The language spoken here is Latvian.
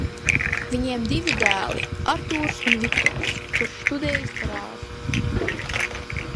Viņiem divi dēli Arturs un Viktors, kurš studējis par ārstu.